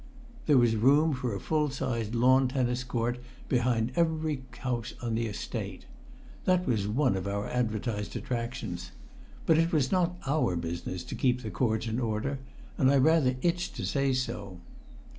There was room for a full size lawn tennis court behind every house on the Estate. That was one of our advertised attractions. But it was not our business to keep the courts in order, and I rather itched to say so.